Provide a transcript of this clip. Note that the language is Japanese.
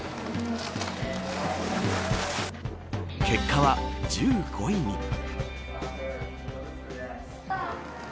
結果は１５位に。